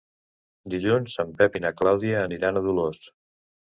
Dilluns en Pep i na Clàudia aniran a Dolors.